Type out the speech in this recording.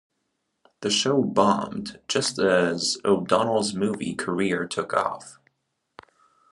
The show bombed, just as O'Donnell's movie career took off.